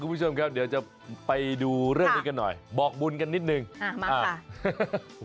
คุณผู้ชมครับเดี๋ยวจะไปดูเรื่องนี้กันหน่อยบอกบุญกันนิดนึงอ่ามาอ่า